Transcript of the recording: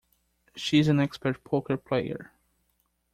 She is an expert poker player.